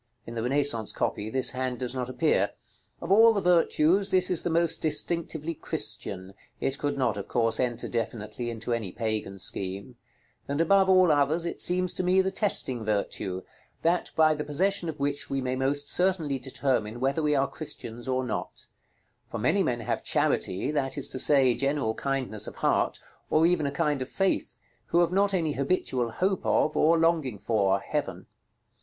In the Renaissance copy this hand does not appear. Of all the virtues, this is the most distinctively Christian (it could not, of course, enter definitely into any Pagan scheme); and above all others, it seems to me the testing virtue, that by the possession of which we may most certainly determine whether we are Christians or not; for many men have charity, that is to say, general kindness of heart, or even a kind of faith, who have not any habitual hope of, or longing for, heaven.